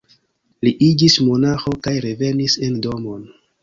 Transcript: Li iĝis monaĥo kaj revenis en domon.